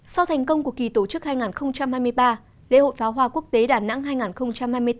sau thành công của kỳ tổ chức hai nghìn hai mươi ba lễ hội pháo hoa quốc tế đà nẵng hai nghìn hai mươi bốn